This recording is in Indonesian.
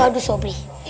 aduh aduh sobri